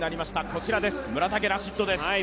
こちらです、村竹ラシッドです。